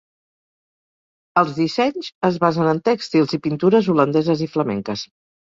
Els dissenys es basen en tèxtils i pintures holandeses i flamenques.